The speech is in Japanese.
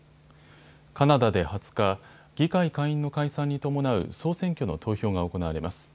カナダで２０日、議会下院の解散に伴う総選挙の投票が行われます。